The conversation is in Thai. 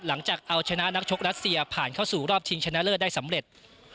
หลังจากเอาชนะนักชกรัสเซียผ่านเข้าสู่รอบชิงชนะเลิศได้สำเร็จ